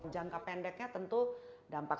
jangka pendeknya tentu dampak